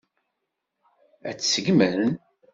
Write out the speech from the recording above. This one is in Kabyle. Ad tt-seggmen?